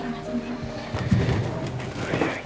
ya makasih suter